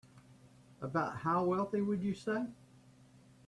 About how wealthy would you say?